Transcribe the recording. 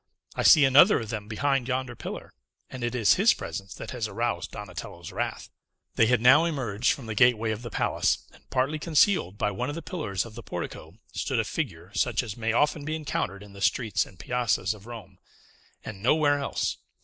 I see another of them behind yonder pillar; and it is his presence that has aroused Donatello's wrath." They had now emerged from the gateway of the palace; and partly concealed by one of the pillars of the portico stood a figure such as may often be encountered in the streets and piazzas of Rome, and nowhere else.